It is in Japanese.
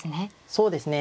そうですね。